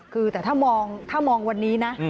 คือแต่ถ้ามองวันนี้นะ